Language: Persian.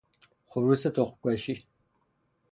خروس تخمکشی